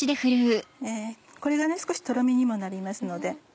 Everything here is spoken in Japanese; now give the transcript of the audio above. これが少しトロミにもなりますので。